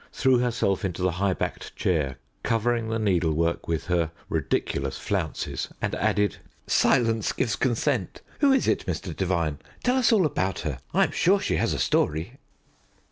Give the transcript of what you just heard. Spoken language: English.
threw herself into the high backed chair, covering the needlework with her ridiculous flounces, and added, "Silence gives consent! Who is it, Mr. Devigne? Tell us all about her: I am sure she has a story."